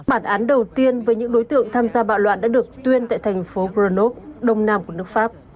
bản án đầu tiên với những đối tượng tham gia bạo loạn đã được tuyên tại thành phố gronov đông nam của nước pháp